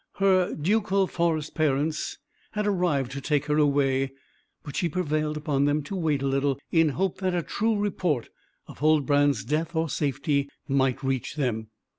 Her ducal foster parents had arrived to take her away, but she prevailed upon them to wait a little, in hope that a true report of Huldbrand's death or safety might reach them.